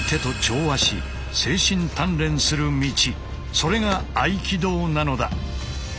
それが合気道なのだ。